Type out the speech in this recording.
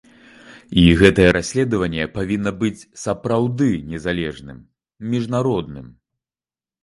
І гэтае расследаванне павінна быць сапраўды незалежным, міжнародным.